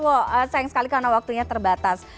wow sayang sekali karena waktunya terbatas